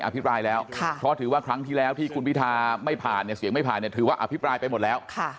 เพราะถือว่าครั้งที่แล้วที่คุณพิธาไม่ผ่านเสียงไม่ผ่านถือว่าอภิปรายไปหมดแล้ว